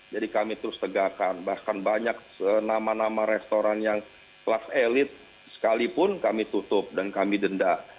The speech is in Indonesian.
jadi kami terus tegakkan bahkan banyak nama nama restoran yang kelas elit sekalipun kami tutup dan kami denda